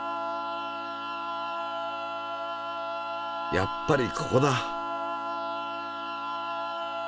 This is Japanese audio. やっぱりここだ！